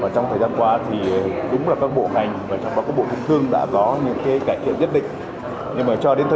trong thời gian qua đúng là các bộ hành và các bộ thông thương đã có những cải thiện nhất định